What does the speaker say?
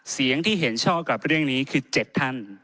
เสียงที่เห็นชอบกับเรื่องนี้คือ๗ท่าน